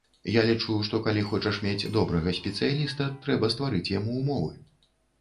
Я лічу, што калі хочаш мець добрага спецыяліста, трэба стварыць яму ўмовы.